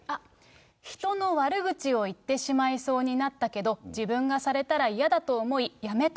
人の悪口を言ってしまいそうなったけど、自分がされたら嫌だと思い、やめた。